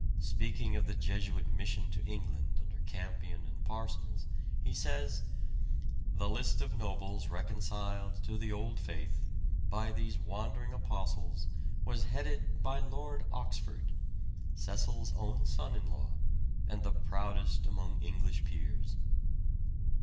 Speaking of the Jesuit mission to England under Campion and Parsons, he says, " The list of nobles reconciled to the old faith, by these wandering apostles was headed by Lord Oxford, Cecil's own son in law and the proudest among English peers."